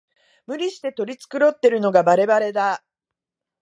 無理して取り繕ってるのがバレバレだ